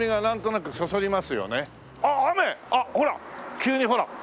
急にほら！